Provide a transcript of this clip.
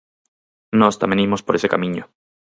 Nós tamén imos por ese camiño.